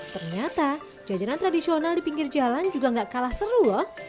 ternyata jajanan tradisional di pinggir jalan juga gak kalah seru loh